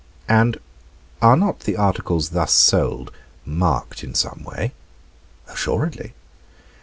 "And are not the articles thus sold marked in some way?" "Assuredly."